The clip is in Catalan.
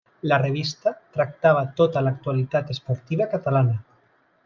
La revista tractava tota l'actualitat esportiva catalana.